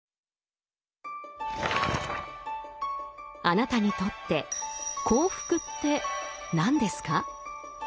あなたにとって幸福って何ですか？